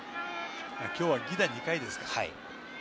今日は犠打２回ですから。